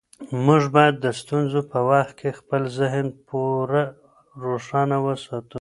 موږ باید د ستونزو په وخت کې خپل ذهن پوره روښانه وساتو.